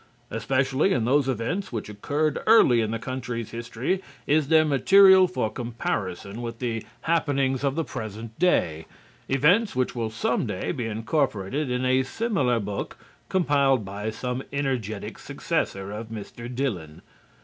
Especially in those events which occurred early in the country's history is there material for comparison with the happenings of the present day, events which will some day be incorporated in a similar book compiled by some energetic successor of Mr. Dillon.